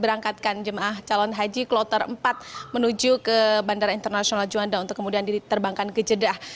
berangkatkan jemaah calon haji kloter empat menuju ke bandara internasional juanda untuk kemudian diterbangkan ke jeddah